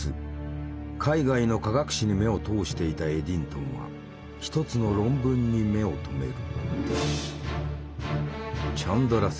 海外の科学誌に目を通していたエディントンは一つの論文に目を留める。